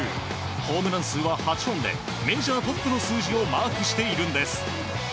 ホームラン数は８本でメジャートップの数字をマークしているんです。